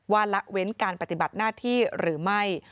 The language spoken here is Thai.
ละเว้นการปฏิบัติหน้าที่หรือไม่